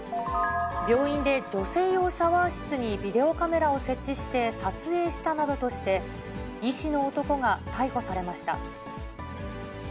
病院で女性用シャワー室にビデオカメラを設置して撮影したなどとして、医師の男が逮捕されました。